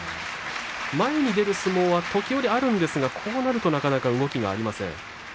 前に出る相撲は時折あるんですがこうなるとなかなか動きがありません。